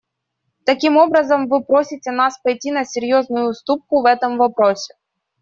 Таким образом, вы просите нас пойти на серьезную уступку в этом вопросе.